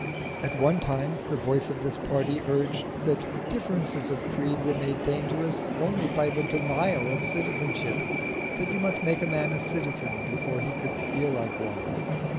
At one time the voice of this party urged that differences of creed were made dangerous only by the denial of citizenship that you must make a man a citizen before he could feel like one.